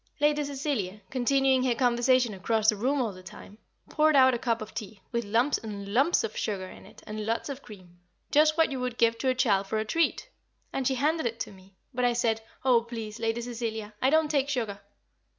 Lady Cecilia continuing her conversation across the room all the time poured out a cup of tea, with lumps and lumps of sugar in it, and lots of cream, just what you would give to a child for a treat! and she handed it to me, but I said, "Oh! please, Lady Cecilia, I don't take sugar!"